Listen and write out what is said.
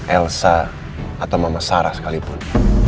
elsa atau mama sarah sekalipun